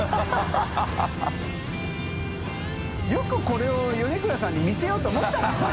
茲これを米倉さんに見せようと思ったなお前。